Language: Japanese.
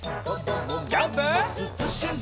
ジャンプ！